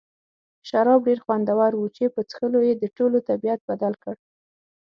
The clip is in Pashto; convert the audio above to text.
شراب ډېر خوندور وو چې په څښلو یې د ټولو طبیعت بدل کړ.